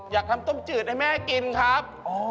อยากทำต้มจืดให้แม่กินครับ